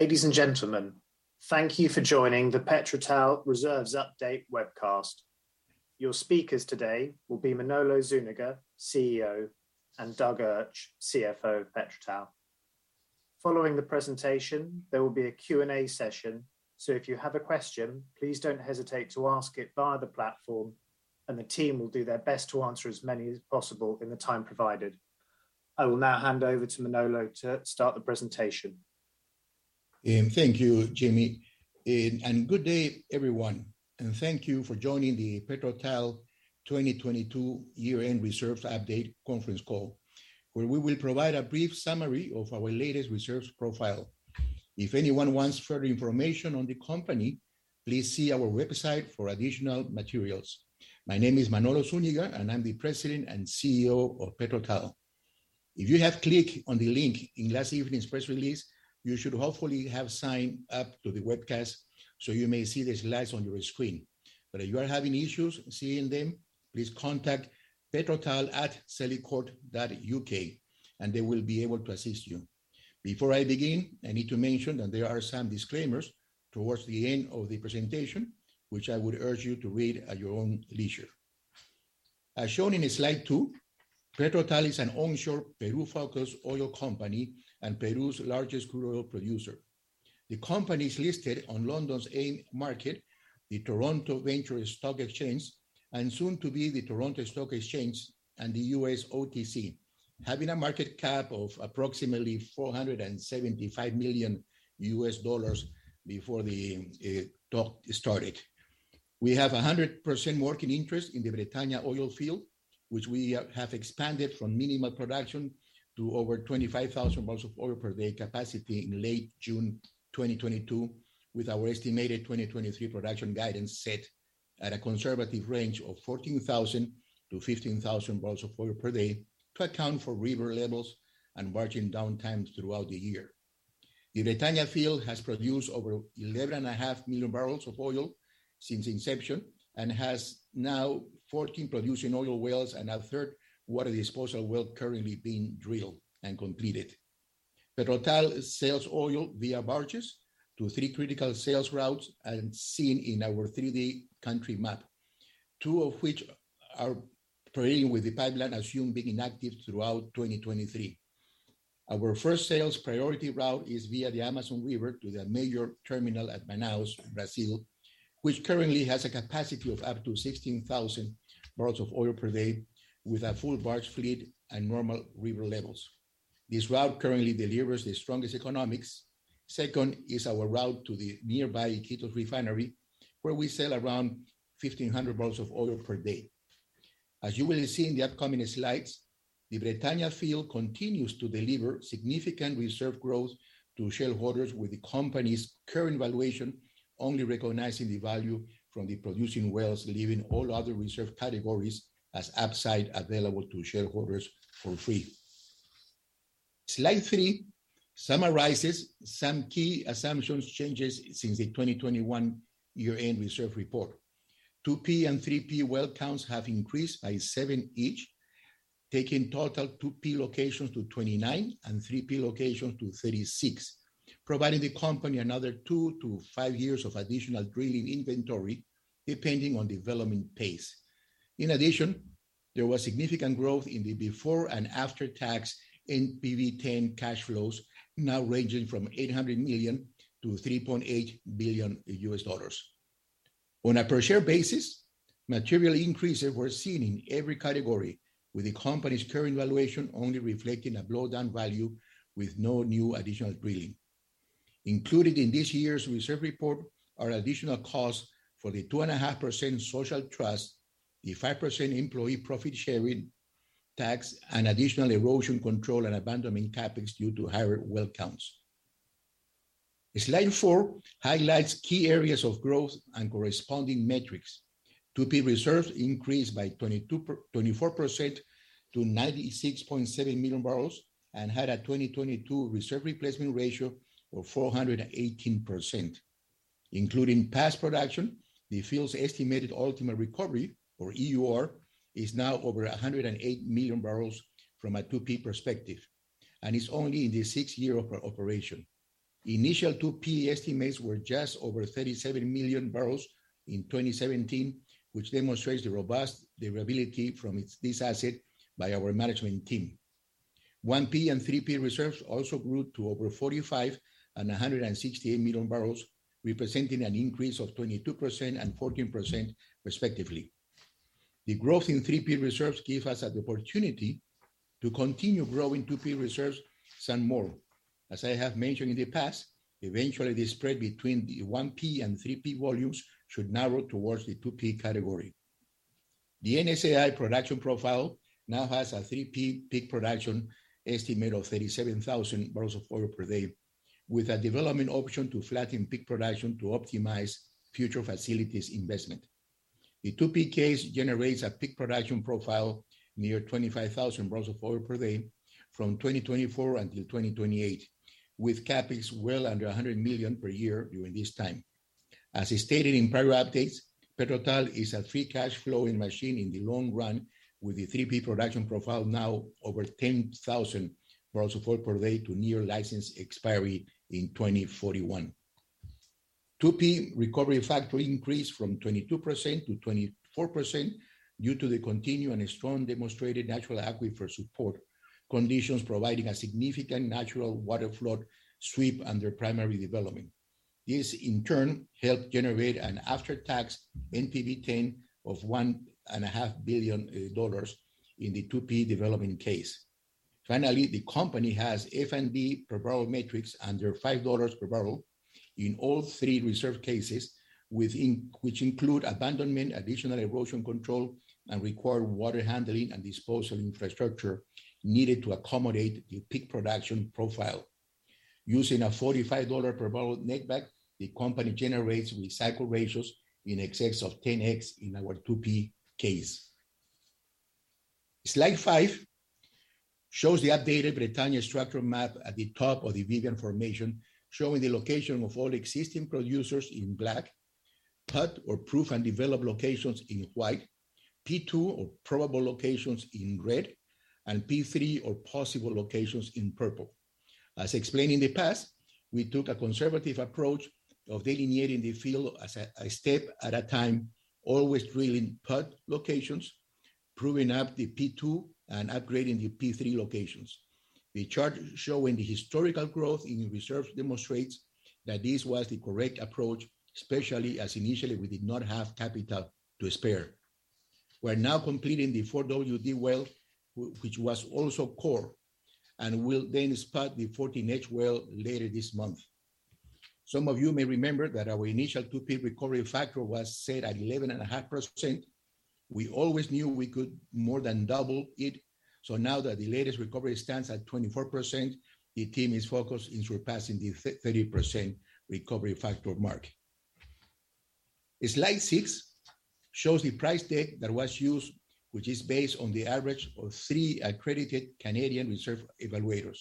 Ladies and gentlemen, thank you for joining the PetroTal Reserves Update webcast. Your speakers today will be Manolo Zuniga, CEO, and Doug Urch, CFO of PetroTal. Following the presentation, there will be a Q&A session. If you have a question, please don't hesitate to ask it via the platform. The team will do their best to answer as many as possible in the time provided. I will now hand over to Manolo to start the presentation. Thank you, Jimmy. Good day, everyone, and thank you for joining the PetroTal 2022 year-end reserve update conference call, where we will provide a brief summary of our latest reserves profile. If anyone wants further information on the company, please see our website for additional materials. My name is Manolo Zuniga, and I'm the President and CEO of PetroTal. If you have clicked on the link in last evening's press release, you should hopefully have signed up to the webcast, so you may see the slides on your screen. If you are having issues seeing them, please contact petrotal@Celicourt.uk, and they will be able to assist you. Before I begin, I need to mention that there are some disclaimers towards the end of the presentation, which I would urge you to read at your own leisure. As shown in slide two, PetroTal is an onshore Peru-focused oil company and Peru's largest crude oil producer. The company's listed on London's AIM, the TSX Venture Exchange, and soon to be the Toronto Stock Exchange and the U.S. OTC, having a market cap of approximately $475 million before the talk started. We have a 100% working interest in the Bretaña oil field, which we have expanded from minimal production to over 25,000 barrels of oil per day capacity in late June 2022, with our estimated 2023 production guidance set at a conservative range of 14,000-15,000 barrels of oil per day to account for river levels and marching downtimes throughout the year. The Bretaña field has produced over 11.5 million barrels of oil since inception and has now 14 producing oil wells and a third water disposal well currently being drilled and completed. PetroTal sells oil via barges to three critical sales routes and seen in our 3D country map. Two of which are trading with the pipeline assumed being inactive throughout 2023. Our first sales priority route is via the Amazon River to the major terminal at Manaus, Brazil, which currently has a capacity of up to 16,000 barrels of oil per day with a full barge fleet and normal river levels. This route currently delivers the strongest economics. Second is our route to the nearby Iquitos refinery, where we sell around 1,500 barrels of oil per day. As you will see in the upcoming slides, the Bretaña field continues to deliver significant reserve growth to shareholders with the company's current valuation only recognizing the value from the producing wells, leaving all other reserve categories as upside available to shareholders for free. Slide three summarizes some key assumptions changes since the 2021 year-end reserve report. 2P and 3P well counts have increased by seven each, taking total 2P locations to 29 and 3P locations to 36, providing the company another two to five years of additional drilling inventory, depending on development pace. There was significant growth in the before and after-tax NPV10 cash flows, now ranging from $800 million-$3.8 billion. On a per-share basis, material increases were seen in every category, with the company's current valuation only reflecting a blow-down value with no new additional drilling. Included in this year's reserve report are additional costs for the 2.5% social trust, the 5% employee profit-sharing tax, and additional erosion control and abandonment CapEx due to higher well counts. Slide four highlights key areas of growth and corresponding metrics. 2P reserves increased by 24% to 96.7 million barrels and had a 2022 reserve replacement ratio of 418%. Including past production, the field's estimated ultimate recovery, or EUR, is now over 108 million barrels from a 2P perspective, and it's only in the 6th year of operation. The initial 2P estimates were just over 37 million barrels in 2017, which demonstrates the robust durability from this asset by our management team. 1P and 3P reserves also grew to over 45 and 168 million barrels, representing an increase of 22% and 14% respectively. The growth in 3P reserves give us the opportunity to continue growing 2P reserves some more. As I have mentioned in the past, eventually the spread between the 1P and 3P volumes should narrow towards the 2P category. The NSAI production profile now has a 3P peak production estimate of 37,000 barrels of oil per day, with a development option to flatten peak production to optimize future facilities investment. The 2P case generates a peak production profile near 25,000 barrels of oil per day from 2024 until 2028, with CapEx well under $100 million per year during this time. As stated in prior updates, PetroTal is a free cash flowing machine in the long run, with the 3P production profile now over 10,000 barrels of oil per day to near license expiry in 2041. 2P recovery factor increased from 22%-24% due to the continuing strong demonstrated natural aquifer support conditions providing a significant natural water flood sweep under primary development. This, in turn, helped generate an after-tax NPV10 of one and a half billion dollars in the 2P development case. The company has F&D per barrel matrix under $5 per barrel in all three reserve cases which include abandonment, additional erosion control, and required water handling and disposal infrastructure needed to accommodate the peak production profile. Using a $45 per barrel netback, the company generates recycle ratios in excess of 10x in our 2P case. Slide five shows the updated Bretaña structural map at the top of the Viga formation, showing the location of all existing producers in black, pad or proved and developed locations in white, 2P or probable locations in red, and 3P or possible locations in purple. As explained in the past, we took a conservative approach of delineating the field as a step at a time, always drilling pad locations, proving up the 2P, and upgrading the 3P locations. The chart showing the historical growth in reserve demonstrates that this was the correct approach, especially as initially we did not have capital to spare. We're now completing the 4WD well, which was also core. We'll then start the 14H well later this month. Some of you may remember that our initial 2P recovery factor was set at 11.5%. We always knew we could more than double it. Now that the latest recovery stands at 24%, the team is focused in surpassing the 30% recovery factor mark. Slide six shows the price deck that was used, which is based on the average of three accredited Canadian reserve evaluators.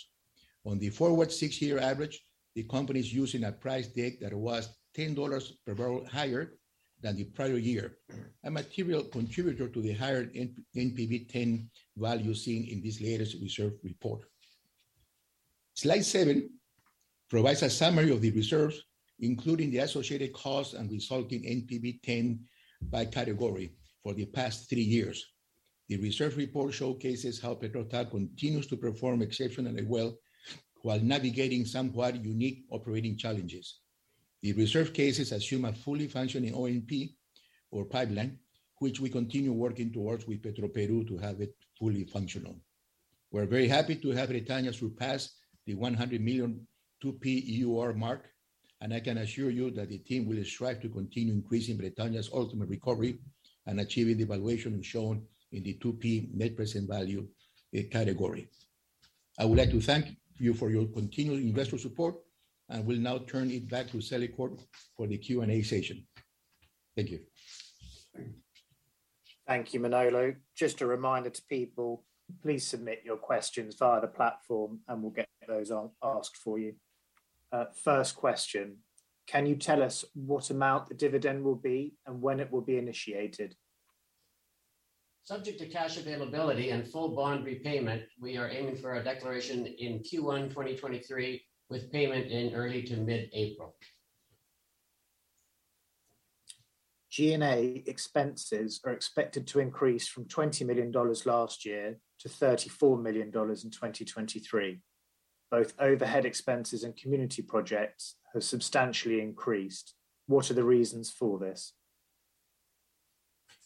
On the forward six year average, the company's using a price deck that was $10 per barrel higher than the prior year, a material contributor to the higher NPV10 value seen in this latest reserve report. Slide seven provides a summary of the reserves, including the associated costs and resulting NPV10 by category for the past three years. The reserve report showcases how PetroTal continues to perform exceptionally well while navigating somewhat unique operating challenges. The reserve cases assume a fully functioning OMP or pipeline, which we continue working towards with Petroperú to have it fully functional. We're very happy to have Bretaña surpass the 100 million 2P EUR mark, and I can assure you that the team will strive to continue increasing Bretaña's ultimate recovery and achieving the valuation shown in the 2P net present value category. I would like to thank you for your continued investor support, and will now turn it back to Celicourt for the Q&A session. Thank you. Thank you, Manolo. Just a reminder to people, please submit your questions via the platform, and we'll get those asked for you. First question, can you tell us what amount the dividend will be and when it will be initiated? Subject to cash availability and full bond repayment, we are aiming for a declaration in Q1 2023, with payment in early to mid-April. G&A expenses are expected to increase from $20 million last year to $34 million in 2023. Both overhead expenses and community projects have substantially increased. What are the reasons for this?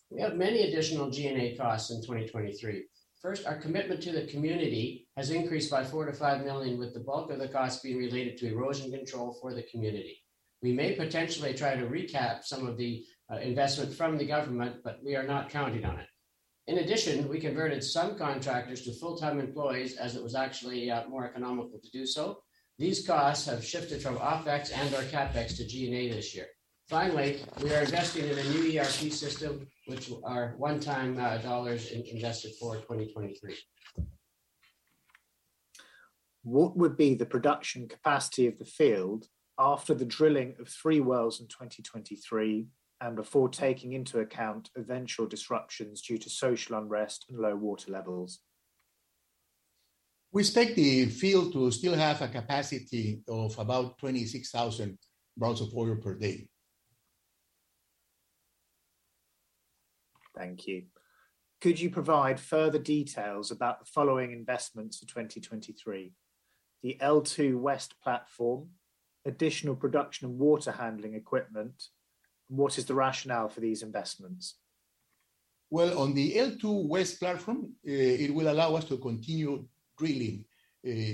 We have many additional G&A costs in 2023. First, our commitment to the community has increased by $4 million-$5 million, with the bulk of the costs being related to erosion control for the community. We may potentially try to recap some of the investment from the government, but we are not counting on it. In addition, we converted some contractors to full-time employees, as it was actually more economical to do so. These costs have shifted from OpEx and our CapEx to G&A this year. Finally, we are investing in a new ERP system, which are one-time dollars in-invested for 2023. What would be the production capacity of the field after the drilling of three wells in 2023 and before taking into account eventual disruptions due to social unrest and low water levels? We expect the field to still have a capacity of about 26,000 barrels of oil per day. Thank you. Could you provide further details about the following investments for 2023? The L2 West platform, additional production and water handling equipment, and what is the rationale for these investments? Well, on the L2 West platform, it will allow us to continue drilling.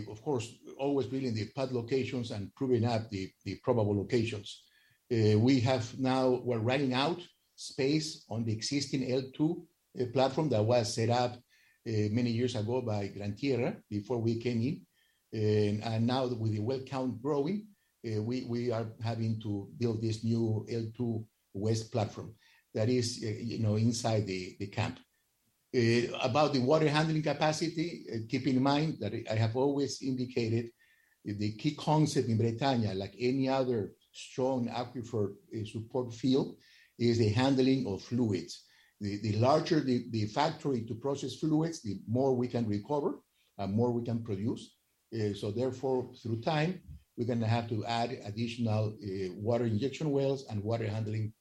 Of course, always drilling the pad locations and proving up the probable locations. We're running out space on the existing L2 platform that was set up many years ago by Gran Tierra before we came in. Now with the well count growing, we are having to build this new L2 West platform that is, you know, inside the camp. About the water handling capacity, keep in mind that I have always indicated the key concept in Bretaña, like any other strong aquifer support field, is the handling of fluids. The larger the factory to process fluids, the more we can recover and more we can produce. Therefore through time, we're gonna have to add additional water injection wells and water handling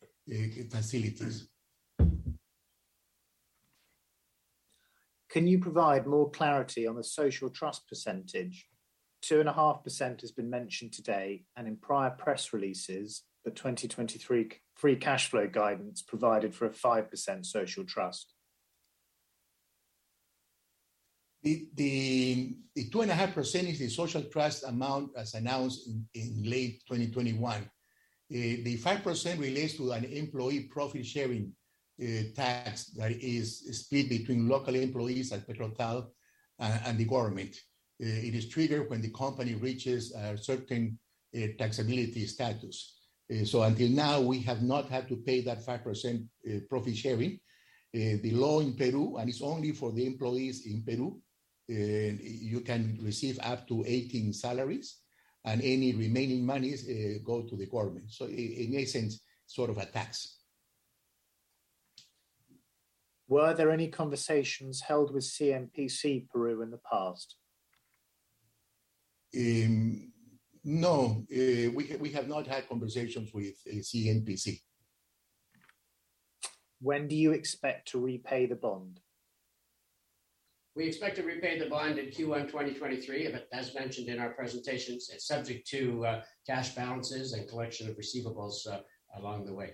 facilities. Can you provide more clarity on the social trust percentage? 2.5% has been mentioned today, and in prior press releases, the 2023 free cash flow guidance provided for a 5% social trust. The 2.5% is the social trust amount as announced in late 2021. The 5% relates to an employee profit-sharing tax that is split between local employees at PetroTal and the government. It is triggered when the company reaches a certain taxability status. Until now, we have not had to pay that 5% profit sharing. The law in Peru, and it's only for the employees in Peru, you can receive up to 18 salaries, and any remaining monies, go to the government. In a sense, sort of a tax. Were there any conversations held with CNPC Peru in the past? No. We have not had conversations with CNPC. When do you expect to repay the bond? We expect to repay the bond in Q1 2023, but as mentioned in our presentations, it's subject to cash balances and collection of receivables along the way.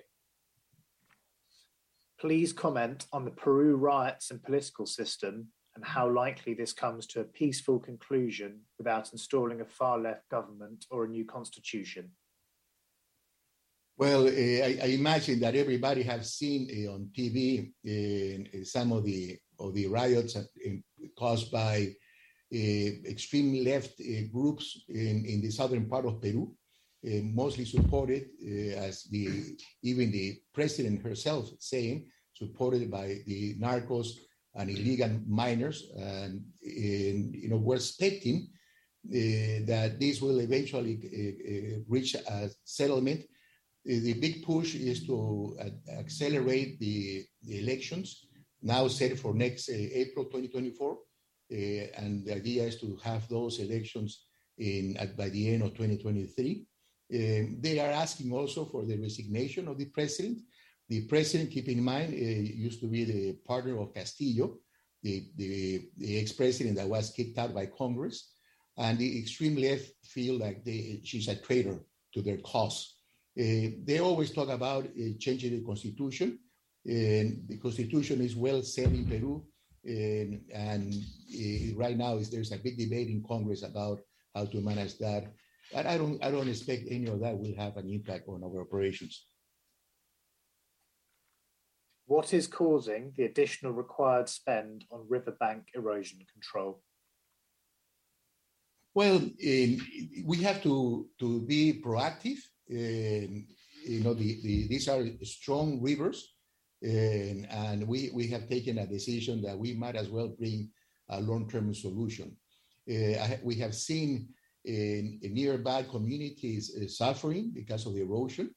Please comment on the Peru riots and political system and how likely this comes to a peaceful conclusion without installing a far-left government or a new constitution? Well, I imagine that everybody has seen on TV, some of the riots caused by extreme left groups in the southern part of Peru. Mostly supported, as the even the president herself saying, supported by the narcos and illegal miners. You know, we're expecting that this will eventually reach a settlement. The big push is to accelerate the elections now set for next April 2024. The idea is to have those elections by the end of 2023. They are asking also for the resignation of the president. The president, keep in mind, used to be the partner of Castillo, the ex-president that was kicked out by Congress. The extreme left feel like she's a traitor to their cause. They always talk about changing the constitution. The constitution is well set in Peru. Right now is there's a big debate in Congress about how to manage that. I don't expect any of that will have an impact on our operations. What is causing the additional required spend on riverbank erosion control? Well, we have to be proactive. You know, the... these are strong rivers. We have taken a decision that we might as well bring a long-term solution. We have seen, nearby communities suffering because of the erosion.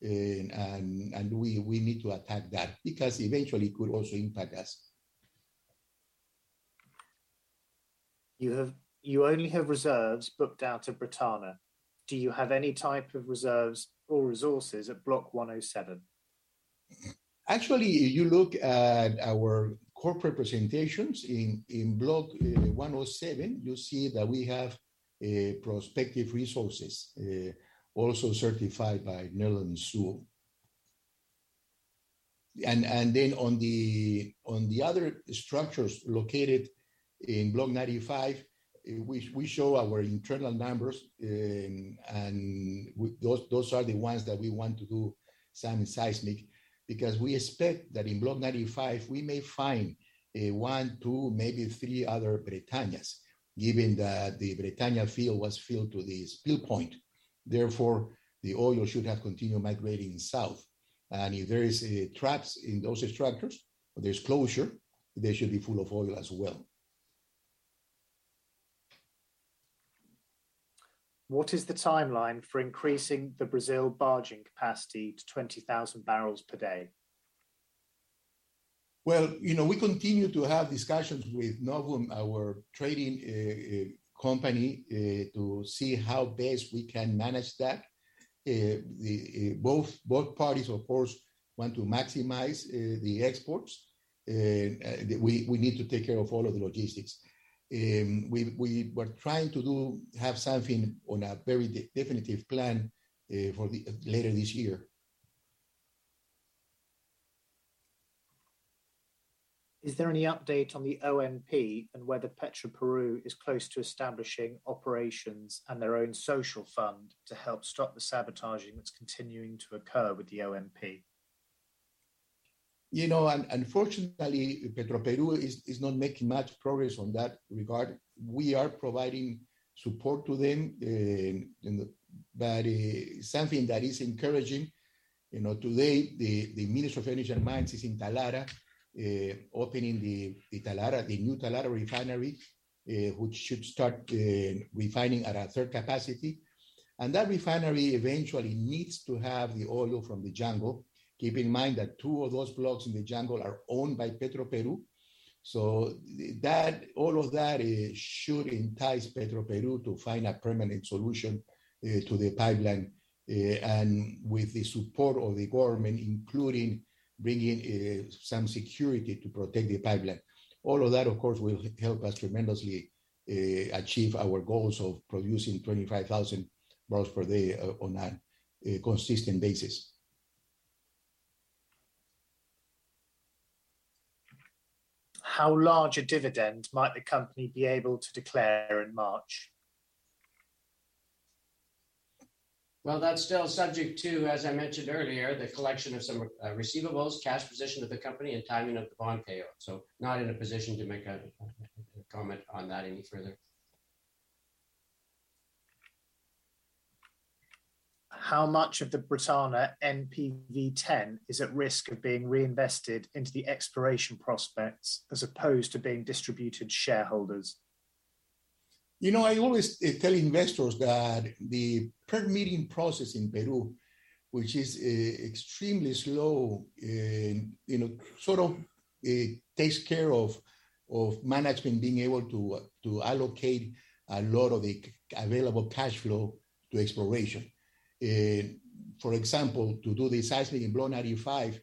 We need to attack that because eventually it could also impact us. You only have reserves booked out at Bretaña. Do you have any type of reserves or resources at Block 107? Actually, you look at our corporate presentations in Block 107, you'll see that we have prospective resources also certified by Netherland, Sewell. Then on the other structures located in Block 95, we show our internal numbers. Those are the ones that we want to do some seismic because we expect that in Block 95, we may find one, two, maybe three other Bretañas, given that the Bretaña field was filled to the spill point. Therefore, the oil should have continued migrating south. If there is traps in those structures or there's closure, they should be full of oil as well. What is the timeline for increasing the Brazil barging capacity to 20,000 barrels per day? Well, you know, we continue to have discussions with Novum, our trading company, to see how best we can manage that. Both parties, of course, want to maximize the exports. We need to take care of all of the logistics. We were trying to have something on a very definitive plan for later this year. Is there any update on the OMP and whether Petroperú is close to establishing operations and their own social fund to help stop the sabotaging that's continuing to occur with the OMP? You know, unfortunately, Petroperú is not making much progress on that regard. We are providing support to them in the... but something that is encouraging. You know, today the Minister of Energy and Mines is in Talara, opening the Talara, the new Talara refinery, which should start refining at a third capacity. That refinery eventually needs to have the oil from the jungle. Keep in mind that two of those blocks in the jungle are owned by Petroperú. All of that should entice Petroperú to find a permanent solution to the pipeline. With the support of the government, including bringing some security to protect the pipeline. All of that, of course, will help us tremendously achieve our goals of producing 25,000 barrels per day on a consistent basis. How large a dividend might the company be able to declare in March? Well, that's still subject to, as I mentioned earlier, the collection of some receivables, cash position of the company, and timing of the bond payout. Not in a position to make a comment on that any further. How much of the Bretaña NPV10 is at risk of being reinvested into the exploration prospects as opposed to being distributed to shareholders? You know, I always tell investors that the permitting process in Peru, which is extremely slow, you know, sort of, takes care of management being able to allocate a lot of the available cash flow to exploration. For example, to do the seismic in Block 95,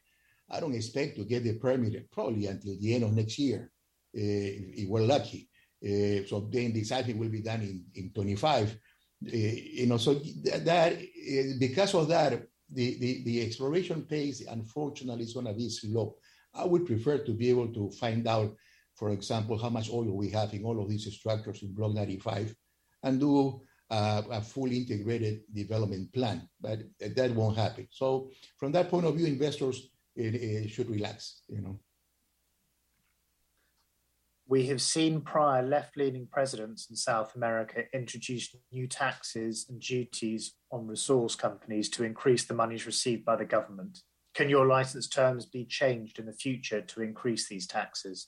I don't expect to get the permit probably until the end of next year, if we're lucky. The seismic will be done in 25. You know, Because of that, the exploration pace unfortunately is gonna be slow. I would prefer to be able to find out, for example, how much oil we have in all of these structures in Block 95 and do a fully integrated development plan. That won't happen. From that point of view, investors should relax, you know. We have seen prior left-leaning presidents in South America introduce new taxes and duties on resource companies to increase the monies received by the government. Can your license terms be changed in the future to increase these taxes?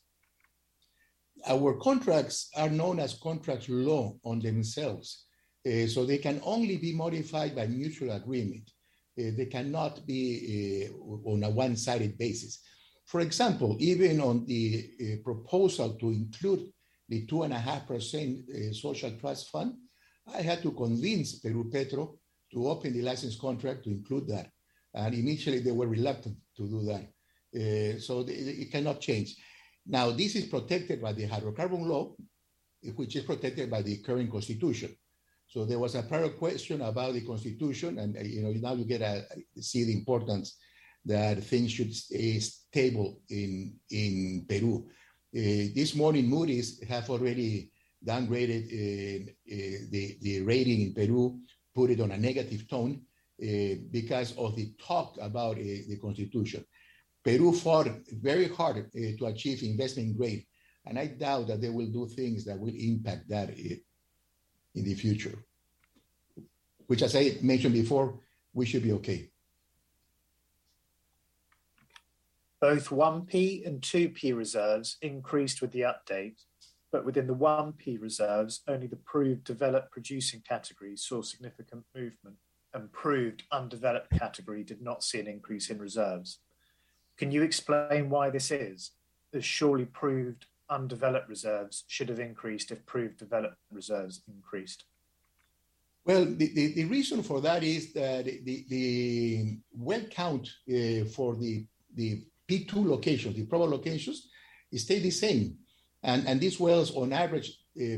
Our contracts are known as contracts law on themselves. So they can only be modified by mutual agreement. They cannot be on a one-sided basis. For example, even on the proposal to include the 2.5% social trust fund, I had to convince Perupetro S.A. to open the license contract to include that. Initially, they were reluctant to do that. It cannot change. Now, this is protected by the hydrocarbon law, which is protected by the current constitution. There was a prior question about the constitution and, you know, now you see the importance that things should stay stable in Peru. This morning, Moody's have already downgraded the rating in Peru, put it on a negative tone, because of the talk about the constitution. Peru fought very hard, to achieve investment grade, and I doubt that they will do things that will impact that in the future. Which as I mentioned before, we should be okay. Both 1P and 2P reserves increased with the update. Within the 1P reserves, only the Proved Developed Producing categories saw significant movement, and Proved Undeveloped category did not see an increase in reserves. Can you explain why this is, as surely Proved Undeveloped reserves should have increased if Proved Developed reserves increased? Well, the reason for that is that the well count for the 2P location, the probable locations, stay the same. These wells on average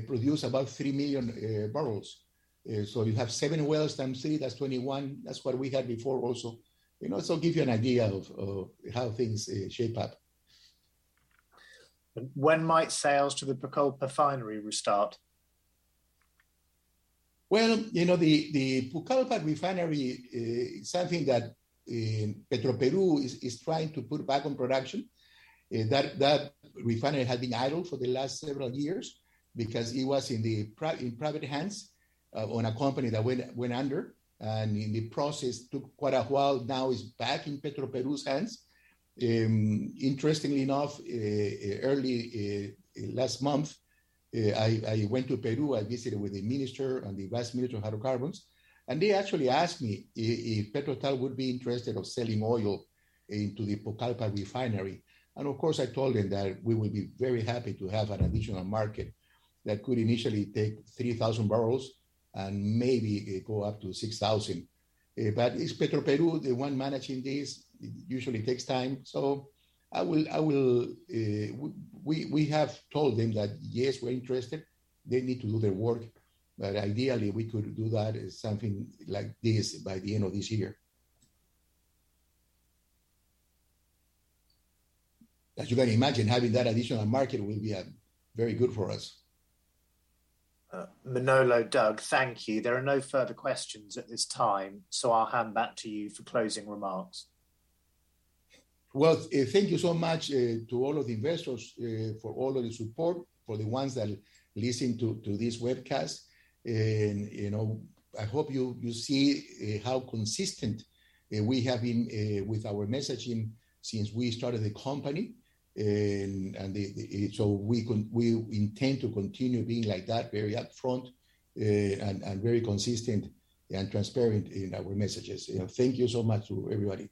produce about 3 million barrels. You have seven wells times three, that's 21. That's what we had before also. You know, give you an idea of how things shape up. When might sales to the Pucallpa refinery restart? Well, you know, the Pucallpa refinery is something that Petroperú is trying to put back on production. That refinery had been idle for the last several years because it was in private hands on a company that went under. The process took quite a while. Now it's back in Petroperú's hands. Interestingly enough, early last month, I went to Peru. I visited with the Minister and the Vice Minister of Hydrocarbons, and they actually asked me if PetroTal would be interested of selling oil into the Pucallpa refinery. Of course, I told them that we would be very happy to have an additional market that could initially take 3,000 barrels and maybe go up to 6,000. It's Petroperú, the one managing this. It usually takes time. We have told them that, yes, we're interested. They need to do their work. Ideally, we could do that as something like this by the end of this year. You can imagine, having that additional market will be, very good for us. Manolo, Doug, thank you. There are no further questions at this time. I'll hand back to you for closing remarks. Well, thank you so much, to all of the investors, for all of the support. For the ones that listen to this webcast, you know, I hope you see, how consistent, we have been, with our messaging since we started the company. We intend to continue being like that, very upfront, and very consistent and transparent in our messages. You know, thank you so much to everybody.